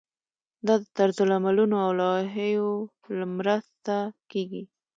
دا د طرزالعملونو او لوایحو په مرسته پلی کیږي.